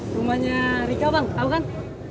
rumahnya rika bang tau kan